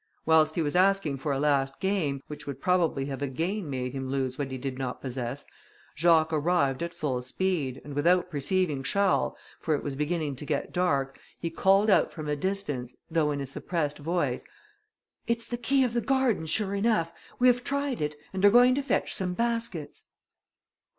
Whilst he was asking for a last game, which would probably have again made him lose what he did not possess, Jacques arrived at full speed, and without perceiving Charles, for it was beginning to get dark, he called out from a distance, though in a suppressed voice, "It's the key of the garden sure enough, we have tried it, and are going to fetch some baskets."